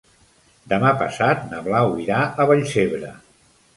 Demà passat na Blau irà a Vallcebre.